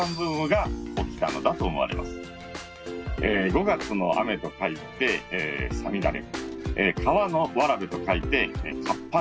五月の雨と書いて五月雨。